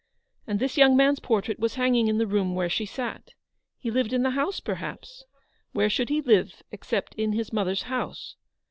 And this young man's portrait was hanging in the room where she sat. He lived in the house, perhaps. Where should he live except in his mother's house